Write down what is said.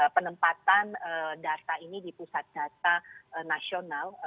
penempatan data ini di pusat data nasional